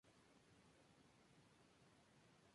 Lleva el nombre del astrónomo alemán Johann Gottfried Galle.